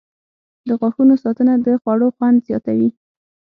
• د غاښونو ساتنه د خوړو خوند زیاتوي.